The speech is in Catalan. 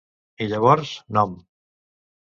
I llavors, nom